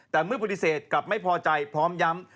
แต่เมื่อปฏิเสธกลับไม่พอใจพร้อมย้ำ